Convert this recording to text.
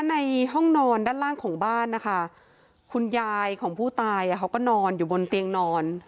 ในห้องนอนด้านล่างของบ้านนะคะคุณยายของผู้ตายเขาก็นอนอยู่บนเตียงนอน